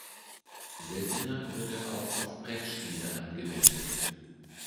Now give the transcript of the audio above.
Seltener wird er auch auf Brettspiele angewendet.